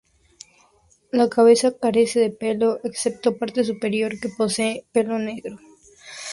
La cabeza carece de pelo, excepto la parte superior, que posee pelo negro.